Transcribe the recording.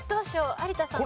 有田さん。